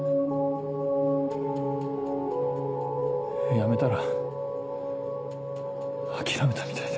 やめたら諦めたみたいで。